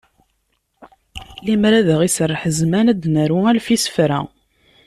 Limer ad aɣ-iserreḥ zzman, ad d-naru alef isefra.